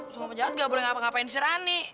semua penjahat nggak boleh ngapa ngapain si rani